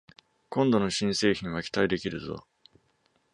今度の新製品は期待できるぞ